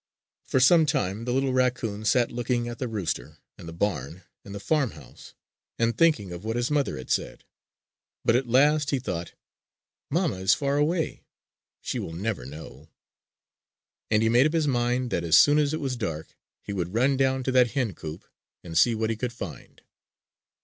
For some time the little raccoon sat looking at the rooster and the barn and the farmhouse, and thinking of what his mother had said. But at last he thought: "Mamma is far away! She will never know"; and he made up his mind that as soon as it was dark he would run down to that hen coop and see what he could find.